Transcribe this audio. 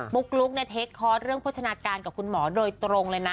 ุ๊กลุ๊กเทคคอร์สเรื่องโภชนาการกับคุณหมอโดยตรงเลยนะ